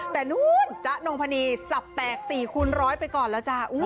แต่นู้นจ๊ะนงพนีสับแตก๔คูณร้อยไปก่อนแล้วจ้า